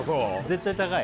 絶対高い？